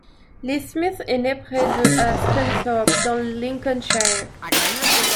Liz Smith est née près de à Scunthorpe, dans le Lincolnshire.